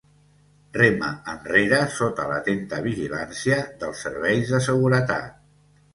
Rema enrere sota l'atenta vigilància dels serveis de seguretat.